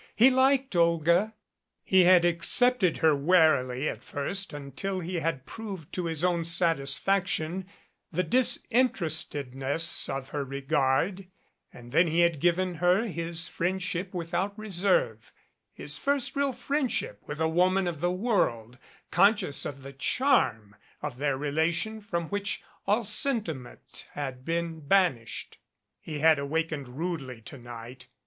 He liked Olga. He had accepted her warily at first until he had proved to his own satisfaction the dis interestedness of her regard and then he had given her his friendship without reserve, his first real friendship with a woman of the world, conscious of the charm of their rela tion from which all sentiment had been banished. He had awakened rudely to night.